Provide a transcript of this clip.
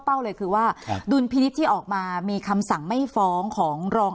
เลยคือว่าดุลพินิษฐ์ที่ออกมามีคำสั่งไม่ฟ้องของรอง